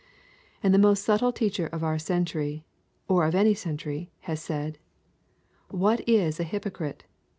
And the most subtle teacher of our century, or of any century, has said: 'What is a hypocrite?